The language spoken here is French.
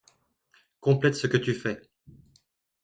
Complète ce que tu fais!